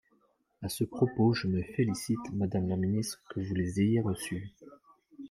À ce propos, je me félicite, madame la ministre, que vous les ayez reçues.